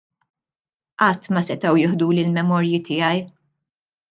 Qatt ma setgħu joħduli l-memorji tiegħi.